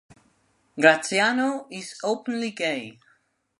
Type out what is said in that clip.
Graziano is openly gay.